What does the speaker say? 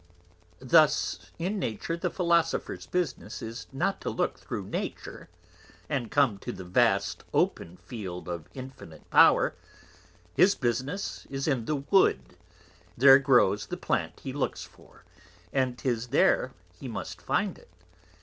Thus in Nature the Philosopher's Business is not to look through Nature, and come to the vast open Field of Infinite Power; his Business is in the Wood; there grows the Plant he looks for; and 'tis there he must find it.